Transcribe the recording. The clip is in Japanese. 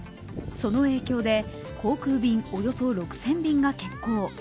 その影響で航空便およそ６０００便が欠航。